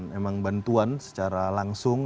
memang bantuan secara langsung